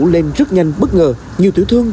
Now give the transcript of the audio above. lên rất nhanh bất ngờ nhiều tử thương